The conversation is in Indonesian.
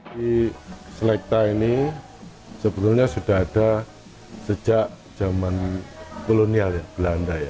di selekta ini sebenarnya sudah ada sejak zaman kolonial belanda